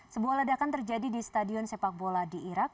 sebuah ledakan terjadi di stadion sepak bola di irak